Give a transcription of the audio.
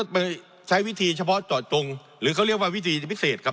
มันใช้วิธีเฉพาะเจาะจงหรือเขาเรียกว่าวิธีพิเศษครับ